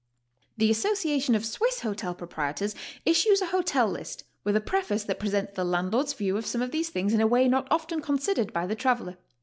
The Association of Sw^iss Hotel Proprietors issues a hotel list, with a preface that presents the landlord's view of some of these things in a way not often considered by the traveler.